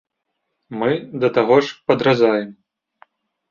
Мы, да таго ж, падразаем.